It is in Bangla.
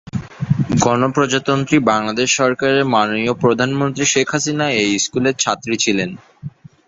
গণপ্রজাতন্ত্রী বাংলাদেশ সরকারের মাননীয় প্রধানমন্ত্রী শেখ হাসিনা এই স্কুলের ছাত্রী ছিলেন।